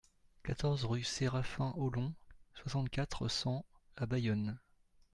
quatorze rue Séraphin Haulon, soixante-quatre, cent à Bayonne